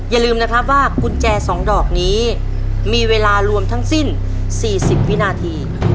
อย่าลืมนะครับว่ากุญแจ๒ดอกนี้มีเวลารวมทั้งสิ้น๔๐วินาที